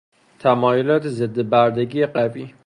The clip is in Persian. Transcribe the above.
تمایلات ضد بردگی قوی